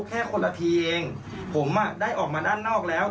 แค่คนละทีเองผมได้ออกมาด้านนอกแล้ว